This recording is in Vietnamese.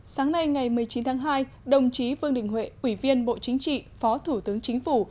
sáng nay ngày một mươi chín tháng hai đồng chí vương đình huệ ủy viên bộ chính trị phó thủ tướng chính phủ